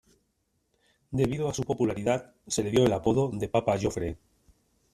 Debido a su popularidad se le dio el apodo de "Papa Joffre".